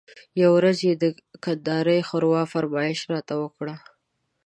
یوه ورځ یې د کندارۍ ښوروا فرمایش راته وکړ.